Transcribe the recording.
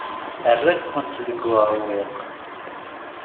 Rran-kent deg uɛewwiq.